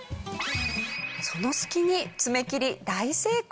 その隙に爪切り大成功！